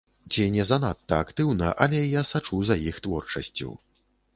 Ці не занадта актыўна, але я сачу за іх творчасцю.